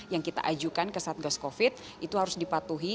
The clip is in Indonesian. yang kita ajukan ke satgas covid itu harus dipatuhi